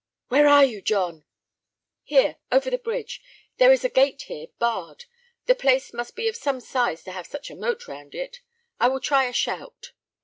"Where are you, John?" "Here, over the bridge. There is a gate here, barred. The place must be of some size to have such a moat round it. I will try a shout."